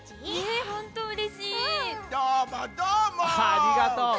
ありがとう。